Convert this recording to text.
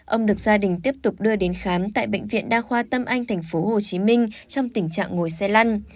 ông được gia đình tiếp tục đưa đến khám tại bệnh viện đa khoa tâm anh tp hcm trong tình trạng ngồi xe lăn